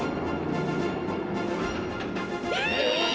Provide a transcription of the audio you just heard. え！？